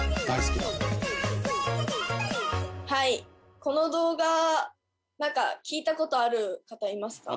はいこの動画何か聞いたことある方いますか？